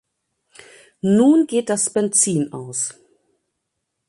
Nun geht das Benzin aus.